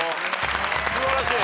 素晴らしい。